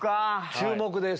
注目です。